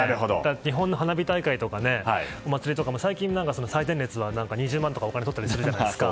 日本の花火大会とかお祭りとかも最近最前列は２０万とかお金取ったりするじゃないですか。